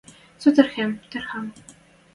Со тырхем, тырхенӓм